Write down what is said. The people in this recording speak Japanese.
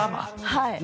はい。